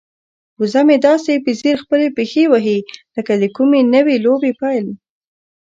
وزه مې داسې په ځیر خپلې پښې وهي لکه د کومې نوې لوبې پیل.